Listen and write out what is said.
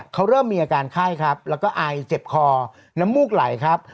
เขาเริ่มมีอาการไข้ครับแล้วก็อายเจ็บคอน้ำมูกไหลครับ